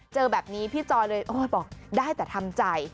เจอแบบนี้พี่จอยเลยโอ้ยบอกได้แต่ทำใจ